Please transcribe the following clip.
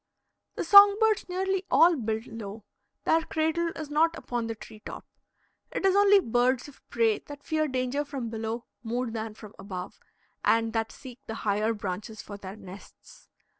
The song birds nearly all build low; their cradle is not upon the tree top. It is only birds of prey that fear danger from below more than from above, and that seek the higher branches for their nests.